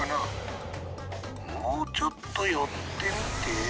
もうちょっと寄ってみて。